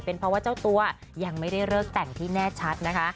เป็นเพราะว่าเจ้าตัวยังไม่ได้เลิกแต่งที่แน่ชัดนะคะ